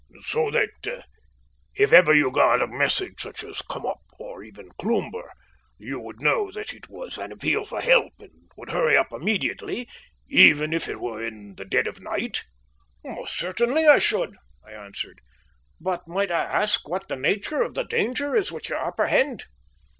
"So that if ever you got a message such as 'Come up,' or even 'Cloomber,' you would know that it was an appeal for help, and would hurry up immediately, even if it were in the dead of the night?" "Most certainly I should," I answered. "But might I ask you what the nature of the danger is which you apprehend?"